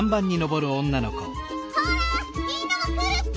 ほらみんなもくるッピ！